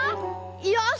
よし！